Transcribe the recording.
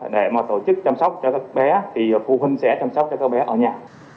để mà tổ chức chăm sóc cho các bé thì phụ huynh sẽ chăm sóc cho các bé ở nhà